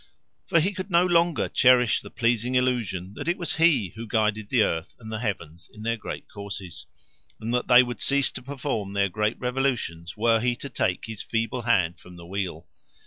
For he could no longer cherish the pleasing illusion that it was he who guided the earth and the heaven in their courses, and that they would cease to perform their great revolutions were he to take his feeble hand from the wheel.